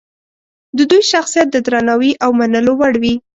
د دوی شخصیت د درناوي او منلو وړ وي.